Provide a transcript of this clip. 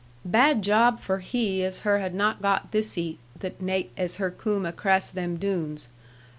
'Bad job for he as her had not got thiccy the naight as her coom acrass them Doones.